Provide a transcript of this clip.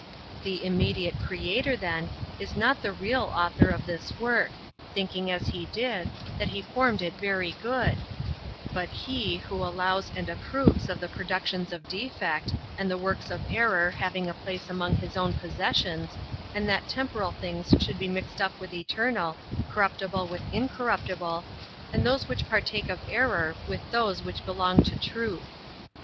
The [immediate] Creator, then, is not the [real] Author of this work, thinking, as He did, that He formed it very good, but He who allows and approves of the productions of defect, and the works of error having a place among his own possessions, and that temporal things should be mixed up with eternal, corruptible with incorruptible, and those which partake of error with those which belong to truth.